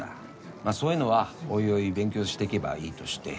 まあそういうのはおいおい勉強してけばいいとして。